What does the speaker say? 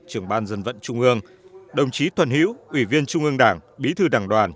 trường ban dân vận trung ương đồng chí toàn hiếu ủy viên trung ương đảng bí thư đảng đoàn